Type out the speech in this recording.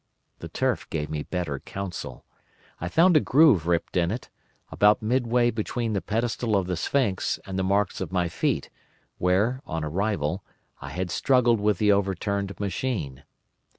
The turf gave better counsel. I found a groove ripped in it, about midway between the pedestal of the sphinx and the marks of my feet where, on arrival, I had struggled with the overturned machine.